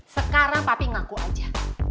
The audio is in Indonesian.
sekarang papi ngaku aja